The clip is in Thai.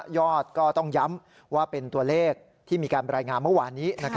ก็ต้องย้ำว่าเป็นตัวเลขที่มีการรายงานเมื่อวานนี้